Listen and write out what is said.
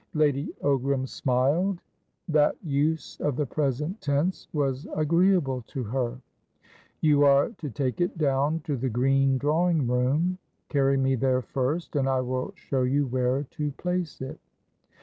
Lady Ogram smiled. That use of the present tense was agreeable to her. "You are to take it down to the green drawing room. Carry me there, first, and I will show you where to place it."